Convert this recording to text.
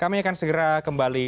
kami akan segera kembali